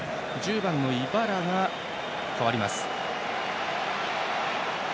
１０番のイバラが代わります。